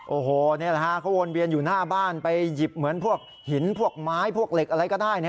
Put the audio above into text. โอ้โหนี่แหละฮะเขาวนเวียนอยู่หน้าบ้านไปหยิบเหมือนพวกหินพวกไม้พวกเหล็กอะไรก็ได้